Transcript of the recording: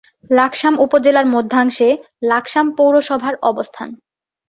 লাকসাম উপজেলার মধ্যাংশে লাকসাম পৌরসভার অবস্থান।